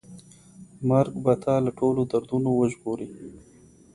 مرګ به تا له ټولو دردونو وژغوري.